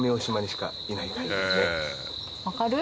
分かる？